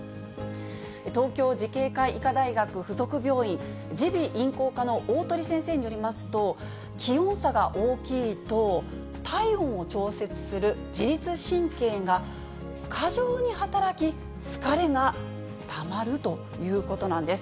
東京慈恵会医科大学附属病院耳鼻咽喉科の鴻先生によりますと、気温差が大きいと、体温を調節する自律神経が過剰に働き、疲れがたまるということなんです。